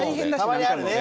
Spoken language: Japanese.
たまにあるね。